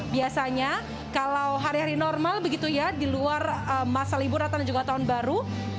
biasanya kalau hari hari normal begitu ya di luar masa libur natal dan juga tahun baru